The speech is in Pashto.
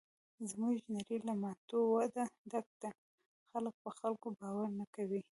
زموږ نړۍ له ماتو وعدو ډکه ده. خلک په خلکو باور نه کوي.